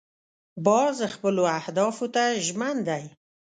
باز خپلو اهدافو ته ژمن دی